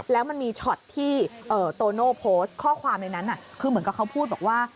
แล้วมันมีช็อตที่โตโน่โพสต์ข้อความในนั้นคือเหมือนกับเขาพูดบอกว่า